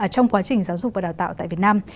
trong quá trình giáo dục và đào tạo tại việt nam